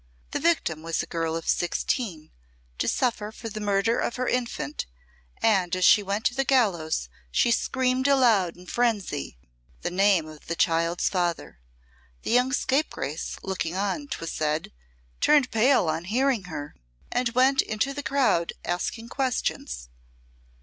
The victim was a girl of sixteen, to suffer for the murder of her infant, and as she went to the gallows she screamed aloud in frenzy the name of the child's father. The young scapegrace looking on, 'twas said, turned pale on hearing her and went into the crowd, asking questions.